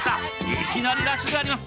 いきなりラッシュであります。